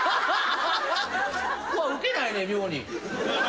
ウケないね妙に。